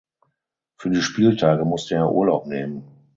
Für die Spieltage musste er Urlaub nehmen.